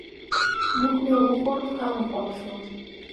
نوک مې وخوړ؛ پښه مې خوږ شوه.